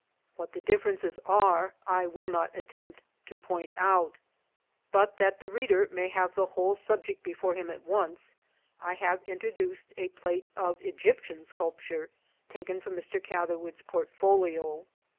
What the differences are I will not attempt to point out ; but, that the reader may have the whole subject before him at once, I have introduced a plate of Egyptian sculpture taken from Mr. Catherwood's portfolio.